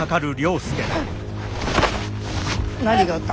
何があった？